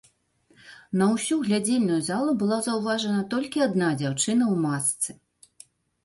На ўсю глядзельную залу была заўважана толькі адна дзяўчына ў масцы.